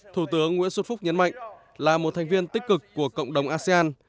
thủ tướng nguyễn xuân phúc nhấn mạnh là một thành viên tích cực của cộng đồng asean